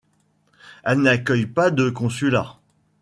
Elle n'accueille pas de consulat.